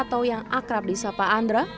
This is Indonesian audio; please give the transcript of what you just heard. gwinandra atau yang akrab di sapaandra